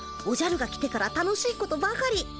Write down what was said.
おじゃるが来てから楽しいことばかり。